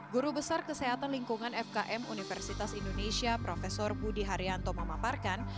guru besar kesehatan lingkungan fkm universitas indonesia prof budi haryanto memaparkan